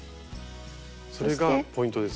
それがポイントですね。